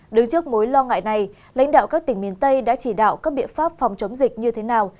đứng trước mối lo ngại này lãnh đạo các tỉnh miền tây đã chỉ đạo các biện pháp phòng chống dịch như thế nào